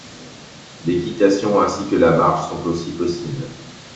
L'équitation ainsi que la marche sont aussi possibles.